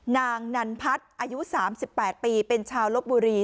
นางนันพัฒน์อายุ๓๘ปีเป็นชาวลบบุรี